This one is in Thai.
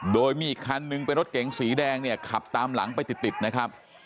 โดยมีอีกคันนึงเป็นรถเก๋งสีแดงเนี่ยขับตามหลังไปติดนะครับ